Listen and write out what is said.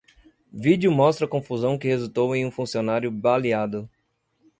Vídeo mostra confusão que resultou em um funcionário baleado